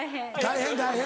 大変大変。